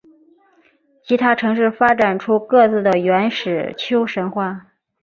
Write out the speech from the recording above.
其他城市发展出各自的原始丘神话。